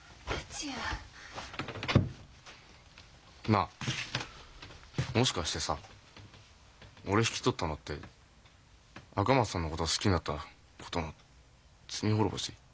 なあもしかしてさ俺引き取ったのって赤松さんのことを好きになったことの罪滅ぼし？